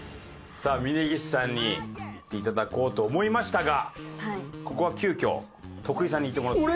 さあ峯岸さんに行って頂こうと思いましたがここは急きょ徳井さんに行ってもらおうと。